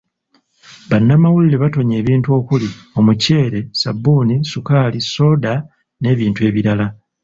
Bannamawulire batonye ebintu okuli; Omuceere, Ssabbuuni, ssukaali, ssooda n'ebintu ebirala.